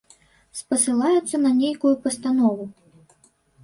Спасылаюцца на нейкую пастанову.